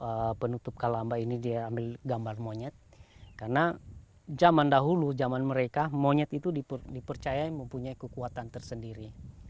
ya mungkin penutup kalambah ini diambil gambar monyet karena zaman dahulu zaman mereka monyet itu dipercaya mempunyai kekuatan tersendiri